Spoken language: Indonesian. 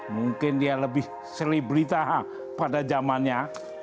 mungkin dia lebih selebritaha pada zamannya